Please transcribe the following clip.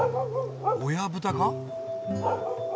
親ブタか？